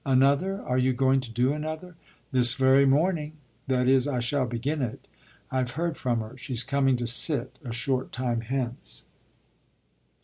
"Another? Are you going to do another?" "This very morning. That is, I shall begin it. I've heard from her; she's coming to sit a short time hence."